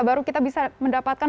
baru kita bisa mendapatkan